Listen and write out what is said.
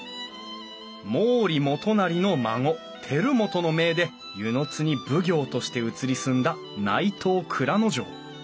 毛利元就の孫輝元の命で温泉津に奉行として移り住んだ内藤内蔵丞。